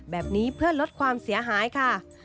แบบนี้เพื่อลดความเสียหายค่ะ